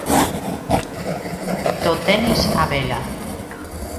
Do tenis á vela.